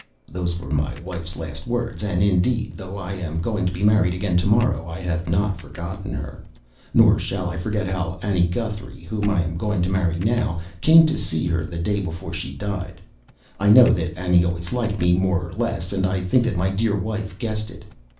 Those were my wife's last words; and, indeed, though I am going to be married again to morrow, I have not forgotten her. Nor shall I forget how Annie Guthrie (whom I am going to marry now) came to see her the day before she died. I know that Annie always liked me more or less, and I think that my dear wife guessed it.